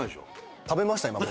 食べました？